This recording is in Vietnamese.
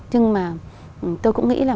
nhưng mà tôi cũng nghĩ là